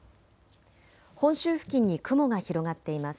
本州付近に雲が広がっています。